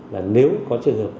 là nếu có trường hợp